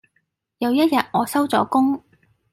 有一日我收咗工